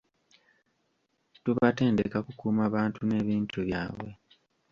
Tubatendeka kukuuma bantu n’ebintu byabwe.